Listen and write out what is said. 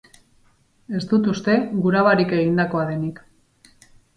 Ez dut uste gura barik egindakoa denik.